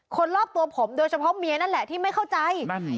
คนรอบตัวผมโดยเฉพาะเมียนั่นแหละที่ไม่เข้าใจ